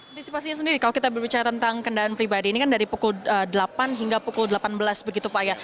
antisipasinya sendiri kalau kita berbicara tentang kendaraan pribadi ini kan dari pukul delapan hingga pukul delapan belas begitu pak ya